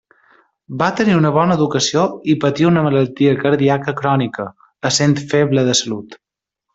Va tenir una bona educació i patia una malaltia cardíaca crònica, essent feble de salut.